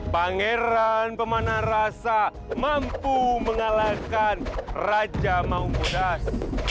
pangeran pemanah rasa mampu mengalahkan raja maung bodas